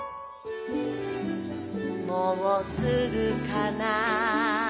「もうすぐかな？」